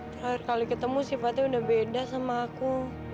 terakhir kali ketemu sifatnya udah beda sama aku